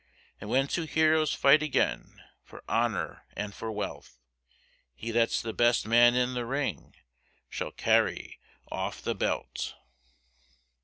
And when two heroes fight again, For honour and for wealth, He that's the best man in the ring, Shall carry off the belt.